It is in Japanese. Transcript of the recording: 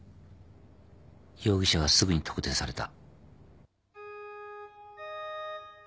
容疑者はすぐに特定された。